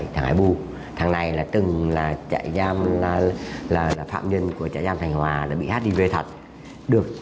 thằng thằng này là từng là chạy giam là là phạm nhân của trại giam thành hòa đã bị hiv thật được